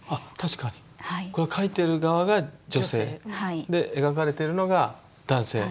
これを描いてる側が女性で描かれてるのが男性。